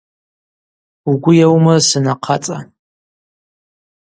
Угвы йауымрысын, ахъацӏа.